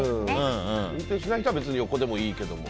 運転しない人は別に横でもいいけども。